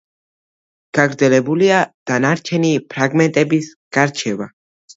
გაძნელებულია დანარჩენი ფრაგმენტების გარჩევა.